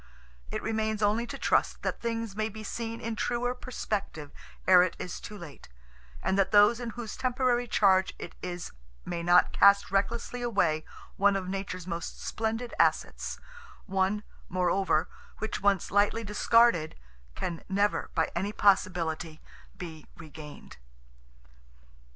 It remains only to trust that things may be seen in truer perspective ere it is too late, and that those in whose temporary charge it is may not cast recklessly away one of nature's most splendid assets, one, moreover, which once lightly discarded, can never by any possibility, be regained.